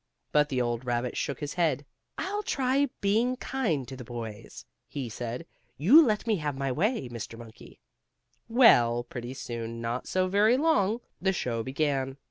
But the old rabbit shook his head. "I'll try being kind to the boys," he said. "You let me have my way, Mr. Monkey." Well, pretty soon, not so very long, the show began.